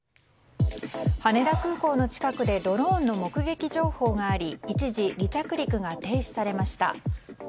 羽田空港の近くでドローンの目撃情報があり一時、離着陸が停止されました。